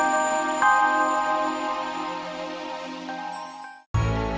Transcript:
ya yuk langsung menurunkan kapaknya